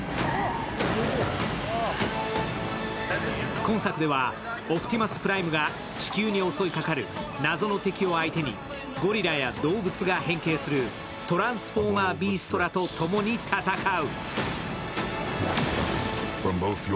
今作ではオプティマプライムが地球に襲いかかる謎の敵を相手にゴリラや動物が変形するトランスフォーマー・ビーストらとともに戦う。